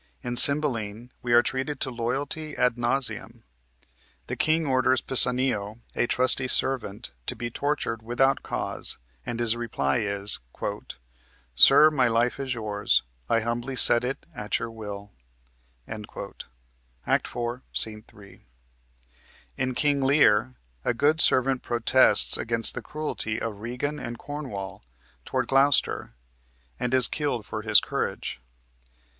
In "Cymbeline" we are treated to loyalty ad nauseam. The king orders Pisanio, a trusty servant, to be tortured without cause, and his reply is, "Sir, my life is yours. I humbly set it at your will." (Act 4, Sc. 3.) In "King Lear" a good servant protests against the cruelty of Regan and Cornwall toward Gloucester, and is killed for his courage.